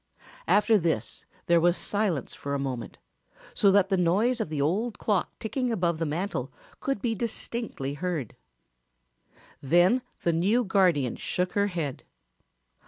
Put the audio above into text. After this there was silence for a moment, so that the noise of the old clock ticking above the mantel could be distinctly heard. Then the new guardian shook her head.